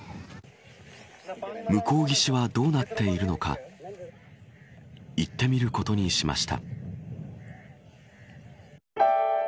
向こう岸はどうなっているのか行ってみることにしました。